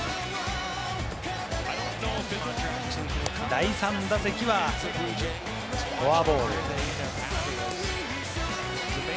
第３打席はフォアボール。